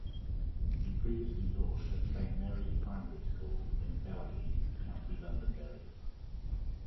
He previously taught at Saint Mary's Primary School in Bellaghy, County Londonderry.